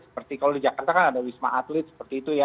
seperti kalau di jakarta kan ada wisma atlet seperti itu ya